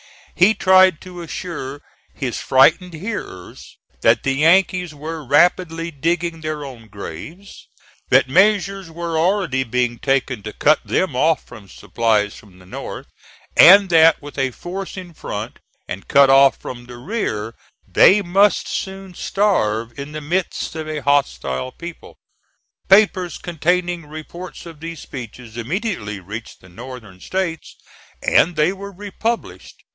He tried to assure his frightened hearers that the Yankees were rapidly digging their own graves; that measures were already being taken to cut them off from supplies from the North; and that with a force in front, and cut off from the rear, they must soon starve in the midst of a hostile people. Papers containing reports of these speeches immediately reached the Northern States, and they were republished.